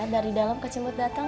iya dari dalam kacemut dateng